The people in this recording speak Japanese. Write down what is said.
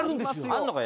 あんのか？